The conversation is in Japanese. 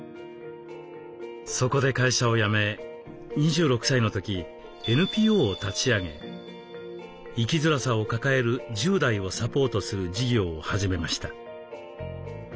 そこで会社を辞め２６歳の時ＮＰＯを立ち上げ生きづらさを抱える１０代をサポートする事業を始めました。